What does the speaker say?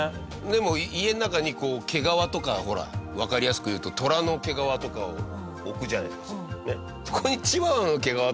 でも家の中に毛皮とかほらわかりやすく言うとトラの毛皮とかを置くじゃないですか。